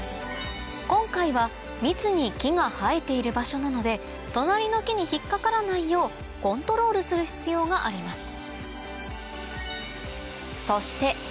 今回は密に木が生えている場所なので隣の木に引っ掛からないようコントロールする必要があります